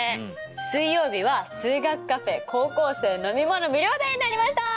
水曜日は数学カフェ高校生飲み物無料デーになりました！